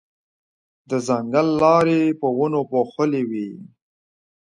د ځنګل لارې په ونو پوښلې وې.